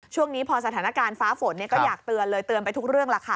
ช่วงนี้พอสถานการณ์ฟ้าฝนก็อยากเตือนเลยเตือนไปทุกเรื่องล่ะค่ะ